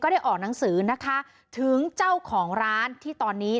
ได้ออกหนังสือนะคะถึงเจ้าของร้านที่ตอนนี้